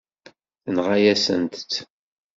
Tenɣa-yasent-t.